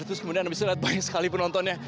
terus kemudian bisa lihat banyak sekali penontonnya